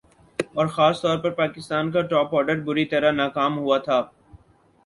اور خاص طور پر پاکستان کا ٹاپ آرڈر بری طرح ناکام ہوا تھا